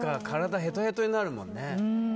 体がへとへとになるもんね。